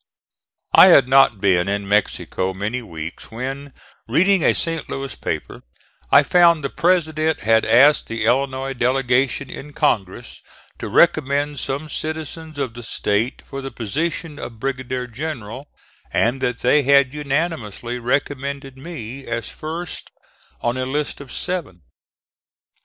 I had not been in Mexico many weeks when, reading a St. Louis paper, I found the President had asked the Illinois delegation in Congress to recommend some citizens of the State for the position of brigadier general, and that they had unanimously recommended me as first on a list of seven.